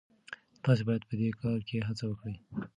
تاسي باید په دې لاره کي هڅه وکړئ.